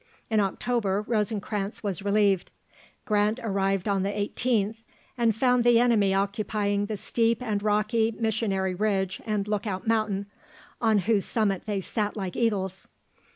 In October, Rosencranz was relieved. Grant arrived on the 18th, and found the enemy occupying the steep and rocky Missionary Ridge and Lookout Mountain, on whose summit they sat like eagles.